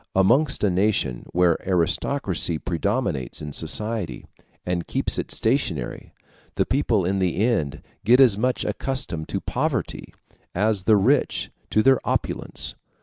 Amongst a nation where aristocracy predominates in society, and keeps it stationary, the people in the end get as much accustomed to poverty as the rich to their opulence.